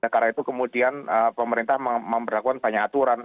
karena itu kemudian pemerintah memperlakukan banyak aturan